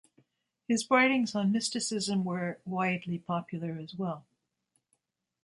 His writings on mysticism were widely popular as well.